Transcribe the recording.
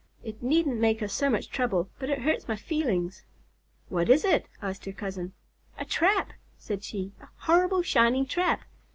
It needn't make us so much trouble, but it hurts my feelings." "What is it?" asked her cousin. "A trap!" said she. "A horrible, shining trap.